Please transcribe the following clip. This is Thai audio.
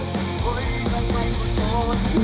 ถอยเกินไปก็โดน